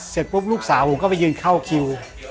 เสร็จปุ๊บลูกสาวผมก็ไปยืนเข้าคิว